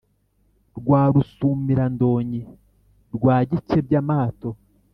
Kwa Rusumira-ndonyi* rwa Gikebya-mato*,